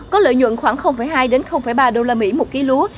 có lợi nhuận khoảng hai ba usd một ký lúa